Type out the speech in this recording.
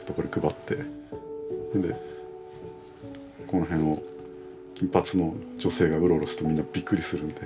この辺を金髪の女性がうろうろするとみんなびっくりするので。